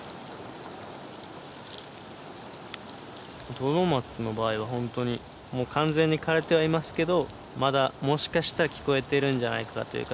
トドマツの場合は本当にもう完全に枯れてはいますけどまだもしかしたら聞こえてるんじゃないかというか。